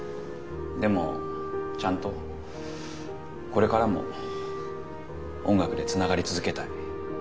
でもちゃんとこれからも音楽でつながり続けたい。